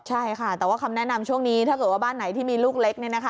ใช่ค่ะแต่ว่าคำแนะนำช่วงนี้ถ้าเกิดว่าบ้านไหนที่มีลูกเล็ก